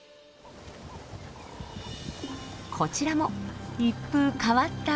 こちらも一風変わった裏方。